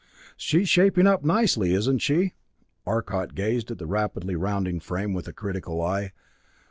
"She's shaping up nicely, isn't she?" Arcot gazed at the rapidly rounding frame with a critical eye.